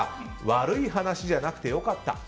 悪い話じゃなくて良かった。